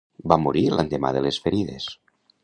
Va morir l'endemà de les ferides.